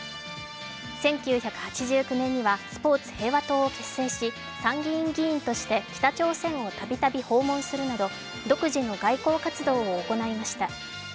１９８９年にはスポーツ平和党を結成し参議院議員として北朝鮮をたびたび訪問するなど独自の外交活動を行いました。